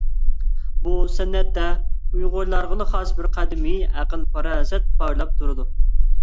بۇ سەنئەتتە ئۇيغۇرلارغىلا خاس بىر قەدىمىي ئەقىل-پاراسەت پارلاپ تۇرىدۇ.